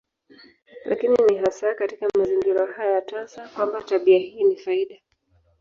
Lakini ni hasa katika mazingira haya tasa kwamba tabia hii ni faida.